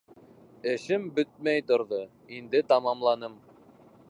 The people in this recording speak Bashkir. Эшем бөтмәй торҙо, инде тамамланым.